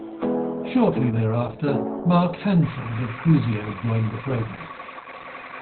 Shortly there after Mark Hanford of Cruzio joined the program.